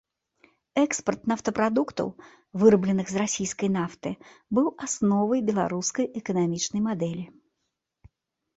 Экспарт нафтапрадуктаў, вырабленых з расійскай нафты, быў асновай беларускай эканамічнай мадэлі.